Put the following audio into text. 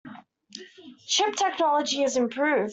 Ship technology has improved.